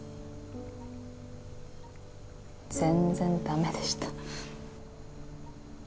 全然ダメでした。